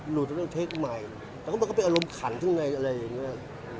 หลุดแล้วต้องเทคใหม่แต่เขาเป็นอารมณ์ขันขึ้นในอะไรอย่างนี้